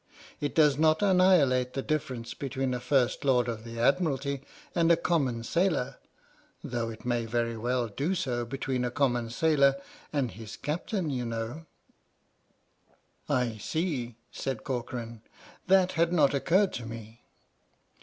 It does not annihilate the difference between a First Lord of the Admiralty and a common sailor, though it may very well do so between a common sailor and his Captain, you know." 124 H.M.S. "PINAFORE" " I see," said Corcoran; "that had not occurred to me."